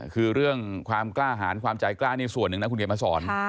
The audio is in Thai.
คือเรื่องความกล้าหารความใจกล้านี่ส่วนหนึ่งนะคุณเขียนมาสอน